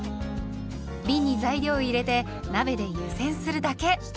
びんに材料を入れて鍋で湯煎するだけ。